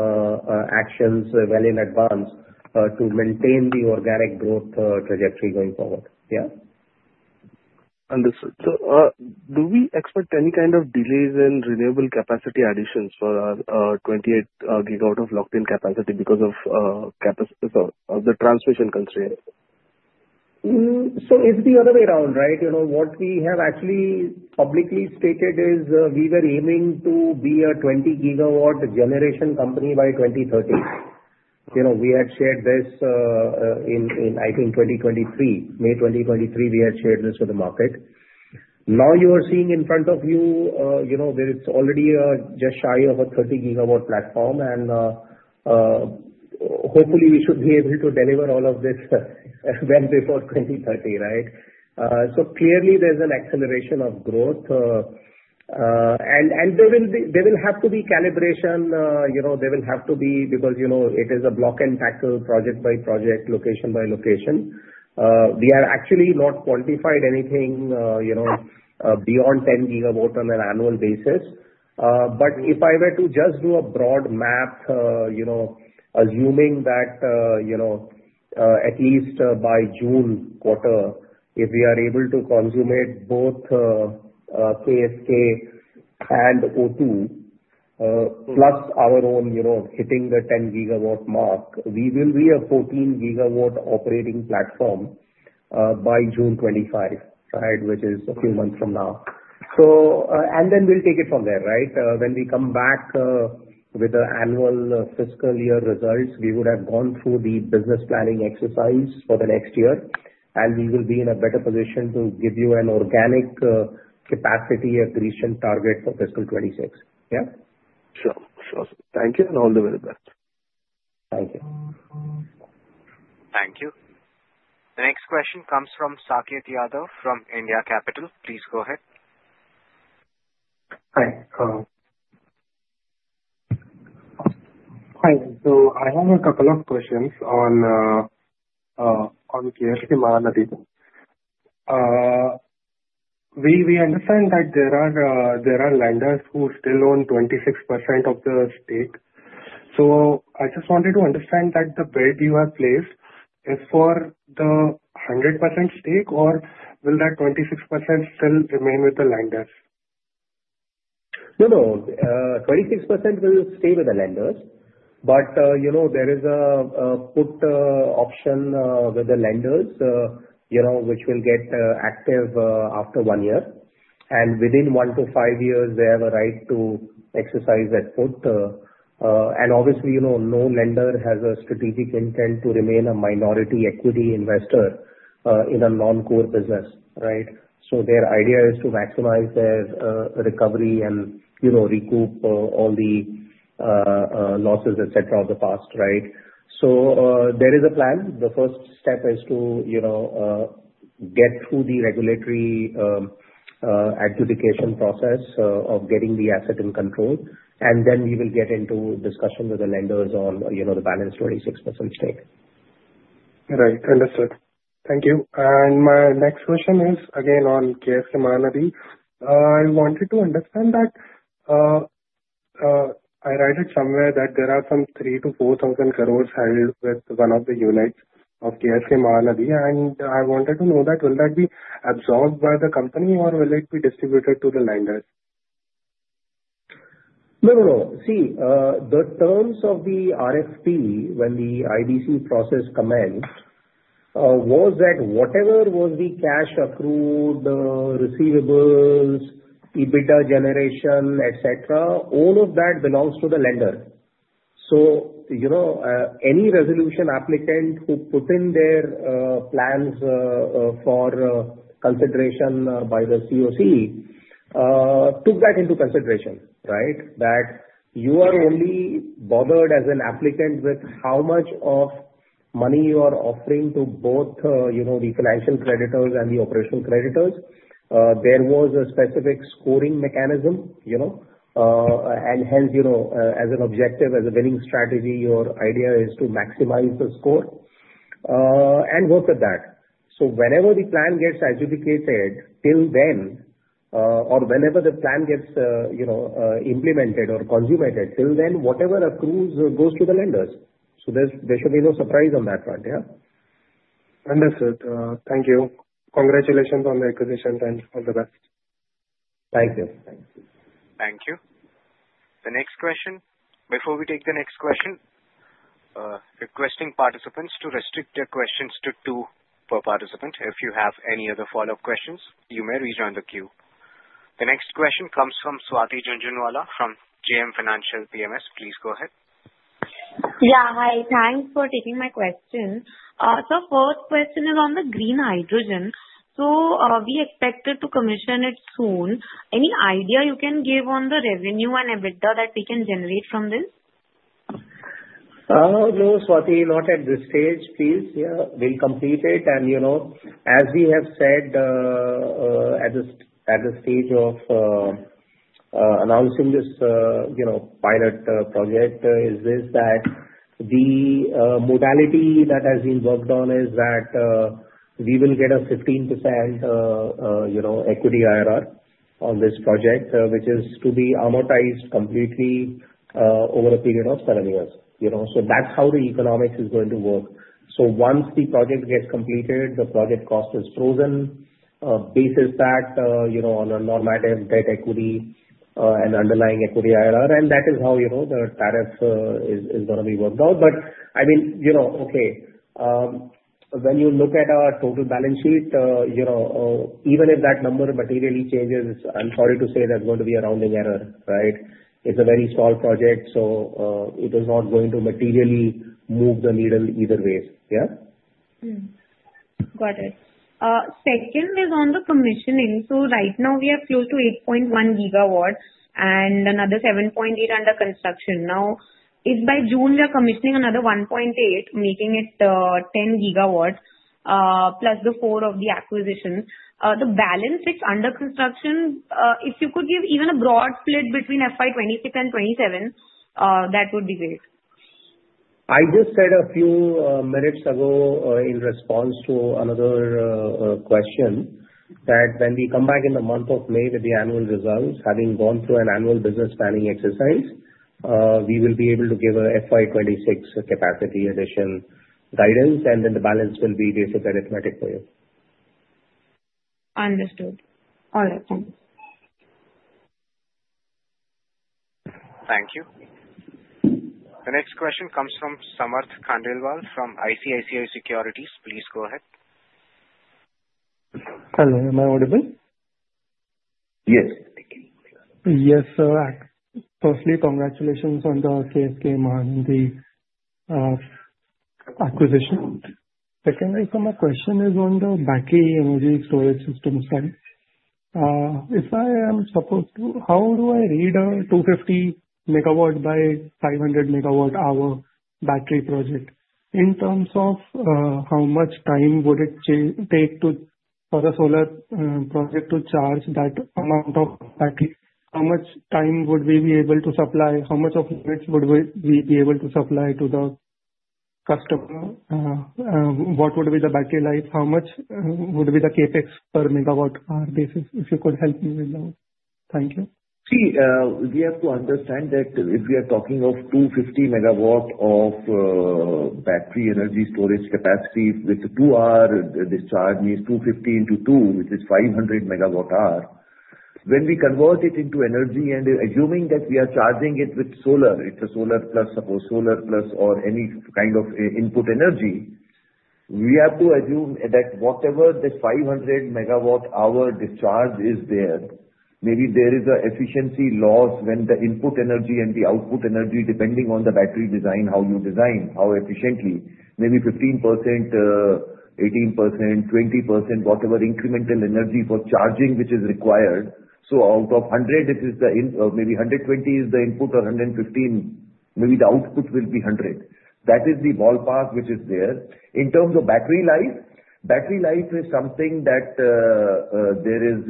S4: actions well in advance to maintain the organic growth trajectory going forward. Yeah? Understood. So, do we expect any kind of delays in renewable capacity additions for 28 gigawatt of locked-in capacity because of the transmission constraints? So, it's the other way around, right? What we have actually publicly stated is we were aiming to be a 20-gigawatt generation company by 2030. We had shared this in, I think, 2023, May 2023, we had shared this with the market. Now you are seeing in front of you where it's already just shy of a 30-gigawatt platform, and hopefully we should be able to deliver all of this before 2030, right, so clearly there's an acceleration of growth, and there will have to be calibration. There will have to be because it is a block and tackle project by project, location by location. We have actually not quantified anything beyond 10 gigawatt on an annual basis. But if I were to just do a broad map, assuming that at least by June quarter, if we are able to consummate both KSK and O2, plus our own hitting the 10-gigawatt mark, we will be a 14-gigawatt operating platform by June 2025, right, which is a few months from now, and then we'll take it from there, right? When we come back with the annual fiscal year results, we would have gone through the business planning exercise for the next year, and we will be in a better position to give you an organic capacity and the recent target for fiscal 26. Yeah? Sure. Sure. Thank you and all the very best. Thank you.
S1: Thank you. The next question comes from Saket Yadav from India Capital. Please go ahead.
S9: Hi. Hi. So I have a couple of questions on KSK Mahanadi. We understand that there are lenders who still own 26% of the stake. So I just wanted to understand that the bid you have placed is for the 100% stake, or will that 26% still remain with the lenders?
S4: No, no. 26% will stay with the lenders, but there is a put option with the lenders which will get active after one year. And within one to five years, they have a right to exercise that put. And obviously, no lender has a strategic intent to remain a minority equity investor in a non-core business, right? So their idea is to maximize their recovery and recoup all the losses, etc., of the past, right? So there is a plan. The first step is to get through the regulatory adjudication process of getting the asset in control, and then we will get into discussion with the lenders on the balance 26% stake.
S9: Right. Understood. Thank you. And my next question is again on KSK Mahanadi. I wanted to understand that I read it somewhere that there are some 3,000-4,000 crores held with one of the units of KSK Mahanadi, and I wanted to know that will that be absorbed by the company, or will it be distributed to the lenders?
S4: No, no, no. See, the terms of the RFP when the IBC process commenced was that whatever was the cash accrued, the receivables, EBITDA generation, etc., all of that belongs to the lender. So any resolution applicant who put in their plans for consideration by the COC took that into consideration, right? That you are only bothered as an applicant with how much of money you are offering to both the financial creditors and the operational creditors. There was a specific scoring mechanism, and hence, as an objective, as a winning strategy, your idea is to maximize the score and work with that. So whenever the plan gets adjudicated, till then, or whenever the plan gets implemented or consummated, till then, whatever accrues goes to the lenders. So there should be no surprise on that front, yeah?
S9: Understood. Thank you. Congratulations on the acquisition, and all the best.
S4: Thank you. Thank you. Thank you. The next question. Before we take the next question, requesting participants to restrict their questions to two per participant. If you have any other follow-up questions, you may rejoin the queue. The next question comes from Swati Jhunjhunwala from JM Financial PMS. Please go ahead.
S10: Yeah. Hi. Thanks for taking my question. So first question is on the green hydrogen. So we expected to commission it soon. Any idea you can give on the revenue and EBITDA that we can generate from this?
S4: No, Swati, not at this stage, please. We'll complete it. And as we have said at the stage of announcing this pilot project, is that the modality that has been worked on is that we will get a 15% equity IRR on this project, which is to be amortized completely over a period of seven years. That's how the economics is going to work. So once the project gets completed, the project cost is frozen, based on a normative debt equity and underlying equity IRR, and that is how the tariff is going to be worked out. But I mean, okay, when you look at our total balance sheet, even if that number materially changes, I'm sorry to say there's going to be a rounding error, right? It's a very small project, so it is not going to materially move the needle either way, yeah?
S10: Got it. Second is on the commissioning. So right now we are close to 8.1 gigawatts and another 7.8 under construction. Now, if by June we are commissioning another 1.8, making it 10 gigawatts, plus the four of the acquisitions, the balance, it's under construction. If you could give even a broad split between FY26 and 27, that would be great.
S4: I just said a few minutes ago in response to another question that when we come back in the month of May with the annual results, having gone through an annual business planning exercise, we will be able to give a FY26 capacity addition guidance, and then the balance will be basically arithmetic for you.
S10: Understood. All right. Thanks.
S1: Thank you. The next question comes from Samarth Khandelwal from ICICI Securities. Please go ahead.
S11: Hello. Am I audible? Yes. Thank you. Yes, sir. Firstly, congratulations on the KSK Mahanadi acquisition. Secondly, so my question is on the battery energy storage system side. If I am supposed to, how do I read a 250 megawatt by 500 megawatt hour battery project? In terms of how much time would it take for a solar project to charge that amount of battery? How much time would we be able to supply? How much of units would we be able to supply to the customer? What would be the battery life? How much would be the CapEx per megawatt hour basis? If you could help me with that. Thank you.
S4: See, we have to understand that if we are talking of 250 megawatt of battery energy storage capacity with 2 hour discharge, means 250 into 2, which is 500 megawatt hour. When we convert it into energy and assuming that we are charging it with solar, it's a solar plus or any kind of input energy, we have to assume that whatever the 500 megawatt hour discharge is there, maybe there is an efficiency loss when the input energy and the output energy, depending on the battery design, how you design, how efficiently, maybe 15%, 18%, 20%, whatever incremental energy for charging which is required. So out of 100, it is maybe 120 is the input or 115, maybe the output will be 100. That is the ballpark which is there. In terms of battery life, battery life is something that there is,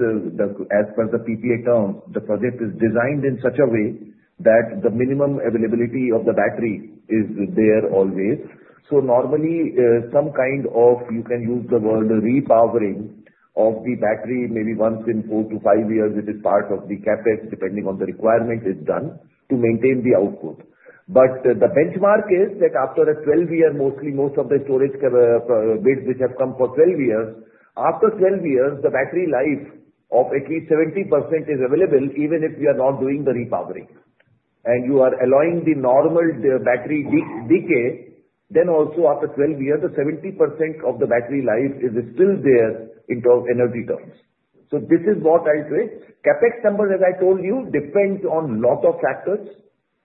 S4: as per the PPA terms, the project is designed in such a way that the minimum availability of the battery is there always. So normally, some kind of, you can use the word repowering of the battery, maybe once in four to five years, it is part of the CapEx, depending on the requirement, is done to maintain the output. But the benchmark is that after a 12-year, most of the storage bids which have come for 12 years, after 12 years, the battery life of at least 70% is available, even if we are not doing the repowering. And you are allowing the normal battery decay, then also after 12 years, the 70% of the battery life is still there in terms of energy terms. So this is what I'll do. CapEx number, as I told you, depends on a lot of factors.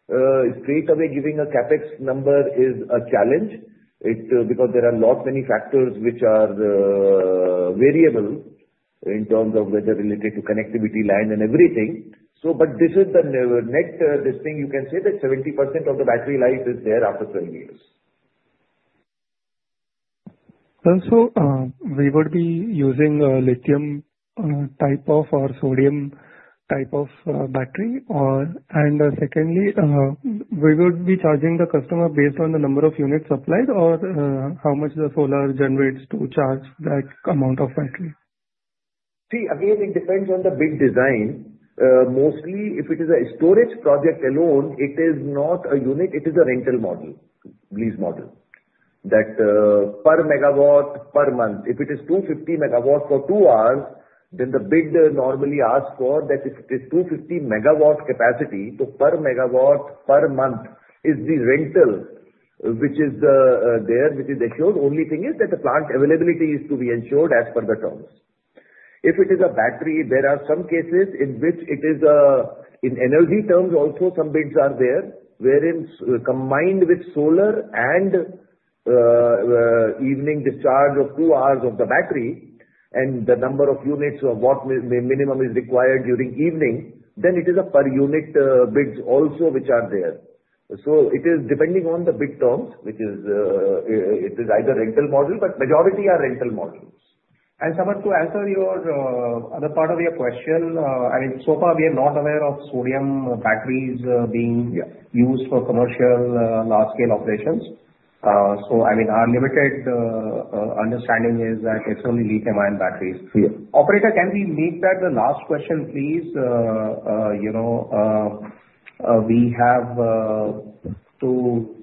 S4: Straight away, giving a CapEx number is a challenge because there are a lot many factors which are variable in terms of weather-related to connectivity line and everything. But this is the next thing. You can say that 70% of the battery life is there after 12 years.
S11: So we would be using a lithium-type or sodium-type battery? And secondly, we would be charging the customer based on the number of units supplied or how much the solar generates to charge that amount of battery?
S4: See, again, it depends on the bid design. Mostly, if it is a storage project alone, it is not a unit; it is a rental model, lease model, that per megawatt per month. If it is 250 megawatts for two hours, then the bid normally asks for that if it is 250 megawatt capacity, so per megawatt per month is the rental which is there, which is assured. Only thing is that the plant availability is to be ensured as per the terms. If it is a battery, there are some cases in which it is in energy terms also some bids are there, wherein combined with solar and evening discharge of two hours of the battery and the number of units of what minimum is required during evening, then it is a per unit bid also which are there. It is depending on the bid terms, which is either rental model, but majority are rental models. And Samarth, to answer your other part of your question, I mean, so far we are not aware of sodium batteries being used for commercial large-scale operations. So I mean, our limited understanding is that it's only lithium-ion batteries. Operator, can we make that the last question, please? We have to,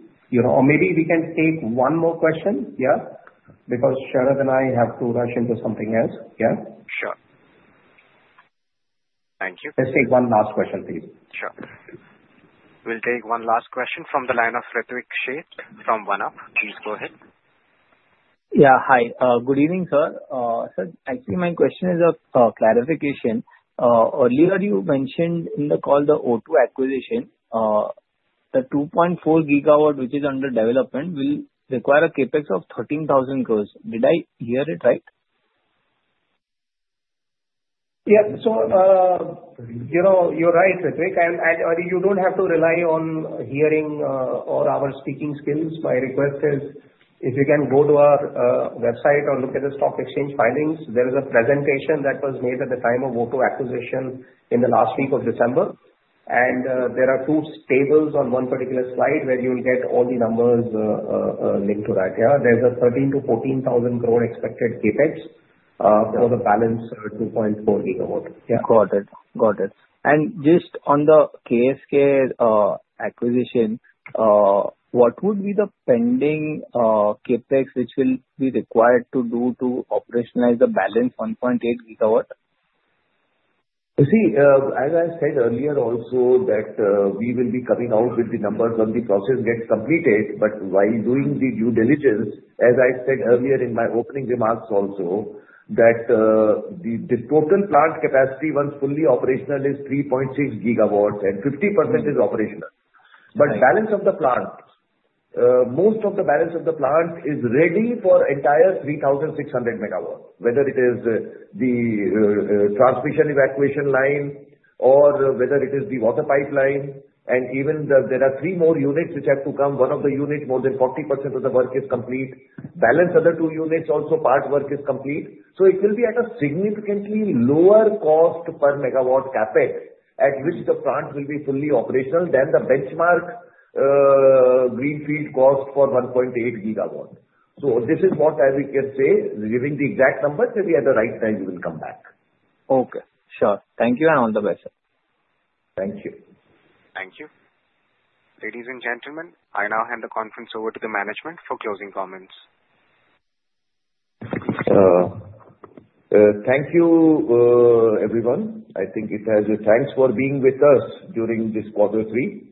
S4: or maybe we can take one more question, yeah? Because Sharad and I have to rush into something else, yeah?
S1: Sure. Thank you. Let's take one last question, please. Sure. We'll take one last question from the line of Rithwik Sheth from One Up. Please go ahead.
S12: Yeah. Hi. Good evening, sir. Actually, my question is a clarification. Earlier, you mentioned in the call the O2 acquisition, the 2.4-gigawatt which is under development will require a capex of 13,000 crores. Did I hear it right?
S4: Yes. So you're right, Rithwik. You don't have to rely on hearing or our speaking skills. My request is if you can go to our website or look at the stock exchange filings, there is a presentation that was made at the time of O2 acquisition in the last week of December. There are two tables on one particular slide where you'll get all the numbers linked to that, yeah? There's 13,000-14,000 crore expected CapEx for the balance 2.4 gigawatt. Yeah. Got it. Got it. Just on the KSK acquisition, what would be the pending CapEx which will be required to do to operationalize the balance 1.8 gigawatt? See, as I said earlier also that we will be coming out with the numbers when the process gets completed. But while doing the due diligence, as I said earlier in my opening remarks also, that the total plant capacity once fully operational is 3.6 gigawatts and 50% is operational. But balance of the plant, most of the balance of the plant is ready for entire 3,600 megawatts, whether it is the transmission evacuation line or whether it is the water pipeline. And even there are three more units which have to come. One of the units, more than 40% of the work is complete. Balance other two units, also part work is complete. So it will be at a significantly lower cost per megawatt CapEx at which the plant will be fully operational than the benchmark greenfield cost for 1.8 gigawatt. So this is what I can say. Giving the exact numbers, maybe at the right time, we will come back.
S12: Okay. Sure. Thank you and all the best, sir.
S4: Thank you.
S1: Thank you. Ladies and gentlemen, I now hand the conference over to the management for closing comments.
S2: Thank you, everyone. I think we have to thank for being with us during this quarter three,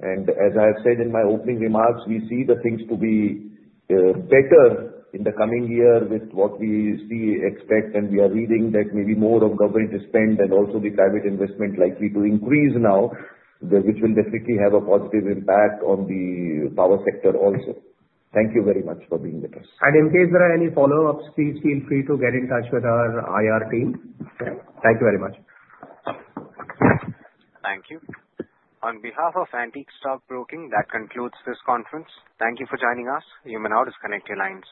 S2: and as I have said in my opening remarks, we see the things to be better in the coming year with what we see, expect, and we are reading that maybe more of government to spend and also the private investment likely to increase now, which will definitely have a positive impact on the power sector also. Thank you very much for being with us, and in case there are any follow-ups, please feel free to get in touch with our IR team. Thank you very much.
S1: Thank you. On behalf of Antique Stock Broking, that concludes this conference. Thank you for joining us. You may now disconnect your lines.